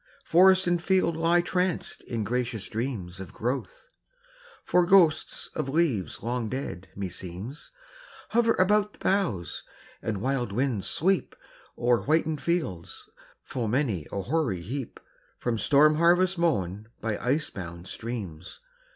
Forest and field lie tranced in gracious dreams Of growth, for ghosts of leaves long dead, me seems, Hover about the boughs; and wild winds sweep O'er whitened fields full many a hoary heap From the storm harvest mown by ice bound streams!